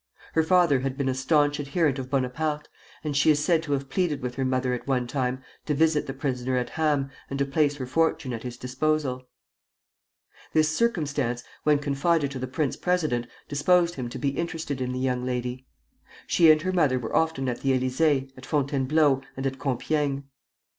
Her father had been a stanch adherent of Bonaparte, and she is said to have pleaded with her mother at one time to visit the prisoner at Ham and to place her fortune at his disposal. This circumstance, when confided to the prince president, disposed him to be interested in the young lady. She and her mother were often at the Élysée, at Fontainebleau, and at Compiègne.